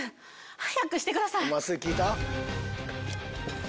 早くしてください。